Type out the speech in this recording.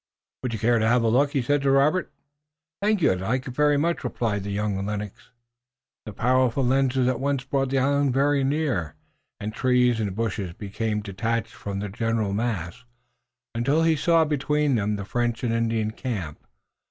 "Would you care to have a look?" he said to Robert. "Thank you, I'd like it very much," replied young Lennox eagerly. The powerful lenses at once brought the island very near, and trees and bushes became detached from the general mass, until he saw between them the French and Indian camp.